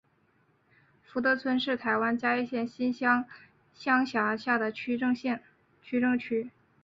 福德村是台湾嘉义县新港乡辖下的行政区。